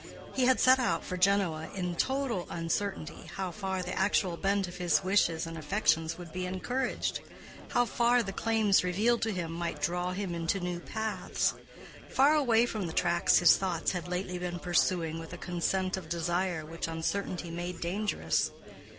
He had set out for Genoa in total uncertainty how far the actual bent of his wishes and affections would be encouraged—how far the claims revealed to him might draw him into new paths, far away from the tracks his thoughts had lately been pursuing with a consent of desire which uncertainty made dangerous.